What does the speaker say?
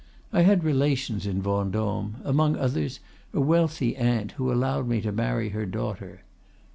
I had relations in Vendôme; among others, a wealthy aunt, who allowed me to marry her daughter.